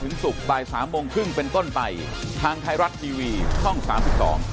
ขอบพระคุณครับสวัสดีครับสวัสดีครับ